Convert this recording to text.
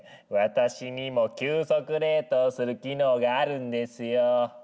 私にも急速冷凍する機能があるんですよ！